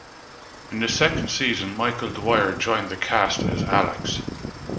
In the second season Michael Dwyer joined the cast as Alex.